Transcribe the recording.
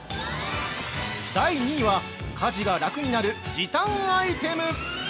◆第２位は、家事が楽になる時短アイテム。